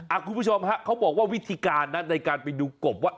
คุณผู้ชมฮะเขาบอกว่าวิธีการนะในการไปดูกบว่า